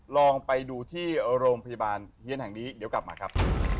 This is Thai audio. ลองไปดูที่โรงพยาบาลเฮียนแห่งนี้เดี๋ยวกลับมาครับ